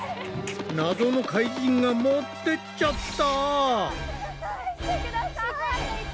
謎の怪人が持ってっちゃった！